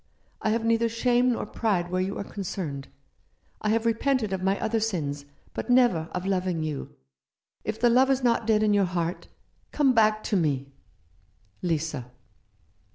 I have neither shame nor pride where you are concerned. I have repented of my other sins, but never of loving you. If the love is not dead in your heart, come back to me. " Lisa."